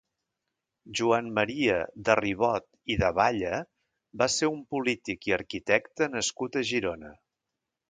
Joan Maria de Ribot i de Balle va ser un polític i arquitecte nascut a Girona.